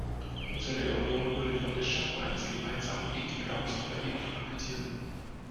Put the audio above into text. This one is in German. Unsere Union würde von der Schaffung eines gemeinsamen Ethikraums erheblich profitieren.